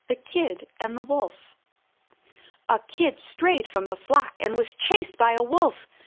THE KID AND THE WOLF A Kid strayed from the flock and was chased by a Wolf.